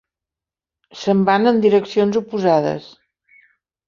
Se'n van en direccions oposades.